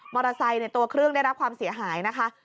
มอเตอร์ไซส์ในตัวเครื่องได้รับความเสียหายนะคะ